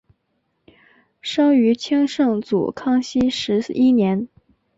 生于清圣祖康熙十一年。